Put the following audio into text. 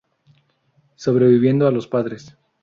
Sobreviviendo a los padres".